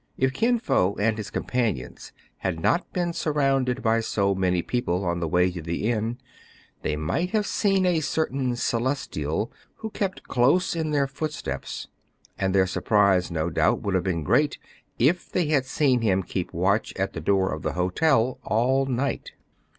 If Kin Fo and his companions had not been surrounded by so many people on the way to the inn, they might have seen a certain Celestial, who kept close in their footsteps ; and their surprise, no doubt, would have been great if they had seen him keep watch at the door of the hotel all night.